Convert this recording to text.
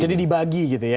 jadi dibagi gitu ya